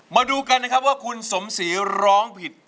มาดูกันนะครับว่าคุณสมศรีร้องผิด